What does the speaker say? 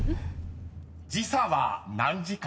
［時差は何時間？］